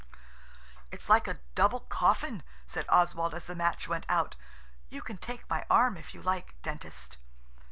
"It's like a double coffin," said Oswald, as the match went out. "You can take my arm if you like, Dentist."